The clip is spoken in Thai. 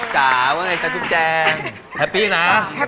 จ๋าว่าไงจ๊ะทุกแจงแฮปปี้นะ